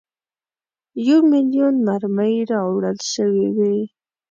یو میلیون مرمۍ راوړل سوي وې.